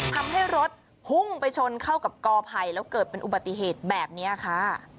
ทำให้รถพุ่งไปชนเข้ากับกอไผ่แล้วเกิดเป็นอุบัติเหตุแบบนี้ค่ะ